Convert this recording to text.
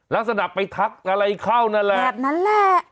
ลักษณะไปทักอะไรเข้านั่นแหละแบบนั้นแหละ